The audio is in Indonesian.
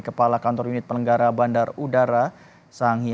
kepala kantor unit pelenggara bandar udara sangi